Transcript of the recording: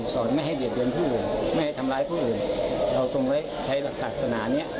ก่อนไม่ให้เดียดเบือนผู้ห่วงไม่ให้ทำร้ายผู้อื่นเราต้องใช้หลักศาสนานี้